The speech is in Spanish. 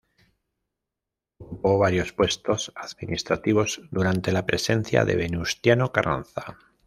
Ocupó varios puestos administrativos durante la presidencia de Venustiano Carranza.